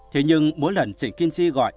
thế nhưng mỗi lần chị kim chi gọi